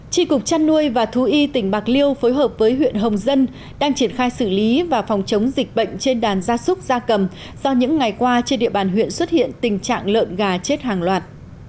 tri cục chăn nuôi và thú y tỉnh bạc liêu phối hợp với huyện hồng dân đang triển khai xử lý và phòng chống dịch bệnh trên đàn gia súc gia cầm do những ngày qua trên địa bàn huyện xuất hiện tình trạng lợn gà chết hàng loạt